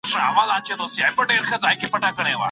د پيغورونو له ويري ناوړه دودونه مه کوئ.